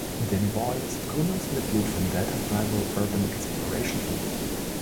Danny Boy ist Gründungsmitglied vom Delta Bravo Urban Exploration Team.